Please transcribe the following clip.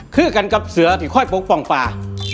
คือกันกับเสือที่ค่อยปกป้องป่า